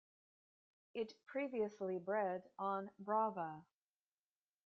It previously bred on Brava.